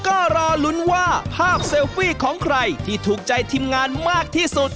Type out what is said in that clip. ก็รอลุ้นว่าภาพเซลฟี่ของใครที่ถูกใจทีมงานมากที่สุด